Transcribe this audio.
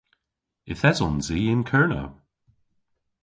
Yth esons i yn Kernow.